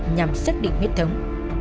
nhằm xác định miết thống